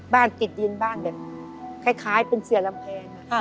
บ้านติดดินบ้านแบบคล้ายเป็นเสือลำแพง